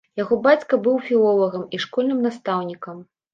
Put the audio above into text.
Яго бацька быў філолагам і школьным настаўнікам.